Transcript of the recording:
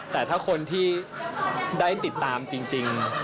แต่ถ้าคนที่ได้ติดตามจริง